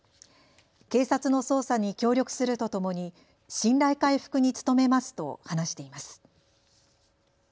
警察の捜査に協力するとともに信頼回復に努めますと話しています。